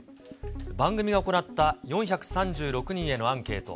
番組が行った４３６人へのアンケート。